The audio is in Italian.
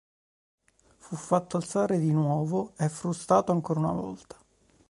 Fu fatto alzare di nuovo e frustato ancora una volta.